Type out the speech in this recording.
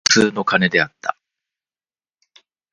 最後に君が見たのは、きらきらと輝く無数の瞳であった。